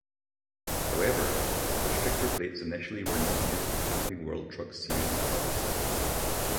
However, restrictor plates initially were not used for Camping World Truck Series trucks.